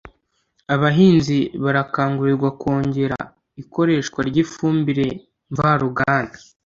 Abahinzi barakangurirwa kongera ikoreshwa ry’ifumbire mva ruganda